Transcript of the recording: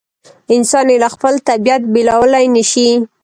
انسان یې له خپل طبیعت بېلولای نه شي.